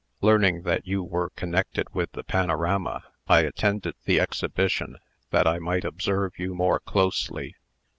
Learning that you were connected with the panorama, I attended the exhibition, that I might observe you more closely.